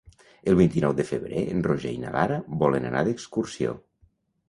El vint-i-nou de febrer en Roger i na Lara volen anar d'excursió.